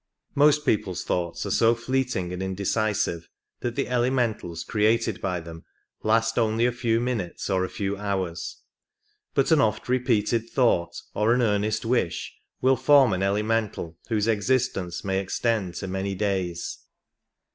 Most people's thoughts are so fleeting and indecisive that the elementals created by them last only a few minutes or a few hours, but an often repeated thought or an earnest wish will form an elemental whose existence may extend to many days.